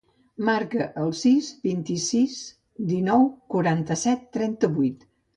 Marca el sis, vint-i-sis, dinou, quaranta-set, trenta-vuit.